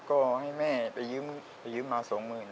ก็ให้แม่ไปยื้มมาส่งมือ